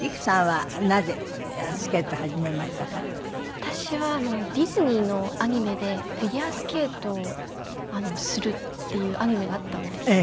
私はディズニーのアニメでフィギュアスケートをするっていうアニメがあったんです。